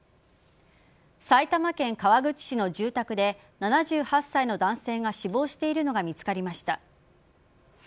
埼玉県川口市の住宅で７８歳の男性が死亡しているのが見つかりました。